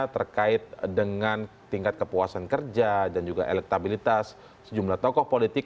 terkait dengan tingkat kepuasan kerja dan juga elektabilitas sejumlah tokoh politik